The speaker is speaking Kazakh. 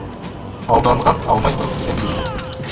Алданған алмай тұрып сенбейді.